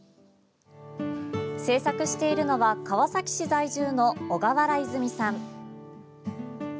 制作しているのは川崎市在住の小河原いづみさん。